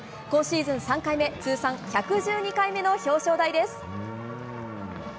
今シーズン３回目通算１１２回目の表彰台です。